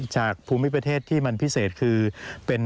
จากภูมิประเทศที่มันพิเศษคือเป็น